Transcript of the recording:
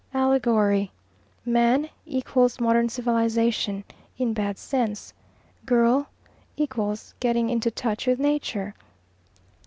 "Allegory. Man = modern civilization (in bad sense). Girl = getting into touch with Nature."